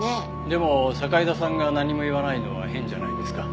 でも堺田さんが何も言わないのは変じゃないですか？